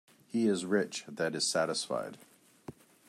He is rich that is satisfied.